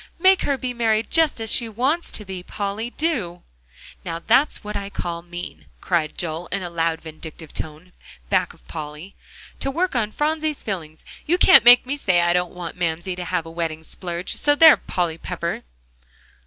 make her be married just as she wants to be, Polly, do." "Now that's what I call mean," cried Joel in a loud, vindictive tone back of Polly, "to work on Phronsie's feelings. You can't make me say I don't want Mamsie to have a wedding splurge, so there, Polly Pepper!"